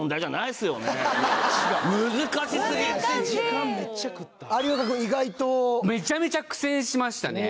すごい！有岡君、意外と。めちゃめちゃ苦戦しましたね。